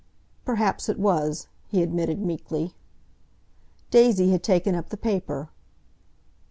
"Perhaps it was," he admitted meekly. Daisy had taken up the paper.